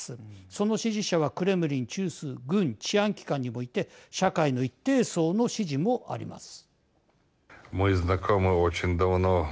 その支持者はクレムリン中枢軍、治安機関にもいて社会の一定層の支持もあります。